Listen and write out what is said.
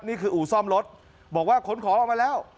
อู่ซ่อมรถบอกว่าขนของออกมาแล้ว